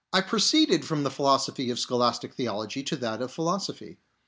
I proceeded from the study of scholastic theology to that of philosophy.